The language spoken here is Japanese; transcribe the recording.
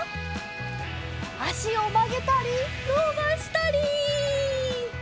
あしをまげたりのばしたり！